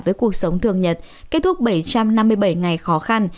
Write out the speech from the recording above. với cuộc sống thường nhật kết thúc bảy trăm năm mươi bảy ngày khó khăn